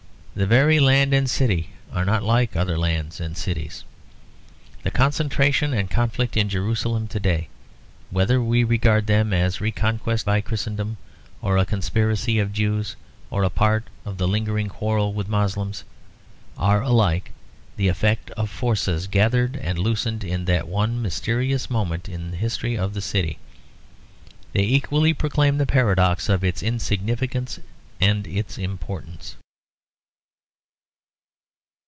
The very land and city are not like other lands and cities. The concentration and conflict in Jerusalem to day, whether we regard them as a reconquest by Christendom or a conspiracy of Jews or a part of the lingering quarrel with Moslems, are alike the effect of forces gathered and loosened in that one mysterious moment in the history of the city. They equally proclaim the paradox of its insignificance and its importance.